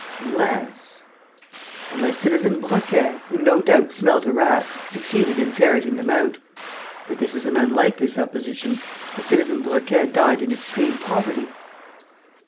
"Unless ... unless Citizen Broquet, who no doubt smelt a rat, succeeded in ferreting them out. But this is an unlikely supposition, for Citizen Broquet died in extreme poverty."